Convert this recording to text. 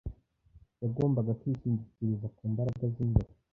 Yagombaga kwishingikiriza ku mbaraga zimbere.